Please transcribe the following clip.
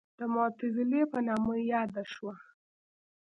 د معتزله په نامه یاده شوه.